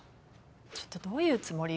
ちょっとどういうつもり？